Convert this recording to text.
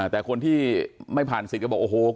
แต่คนที่ไม่ผ่านสิทธิ์ก็บอกโอ้โห